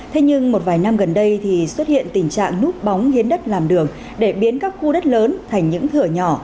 thế nhưng một vài năm gần đây thì xuất hiện tình trạng núp bóng hiến đất làm đường để biến các khu đất lớn thành những thửa nhỏ